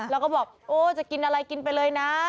แล้วก็บอกโอ้จะกินอะไรกินไปเลยนะ